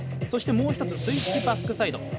そして、もう１つスイッチバックサイド。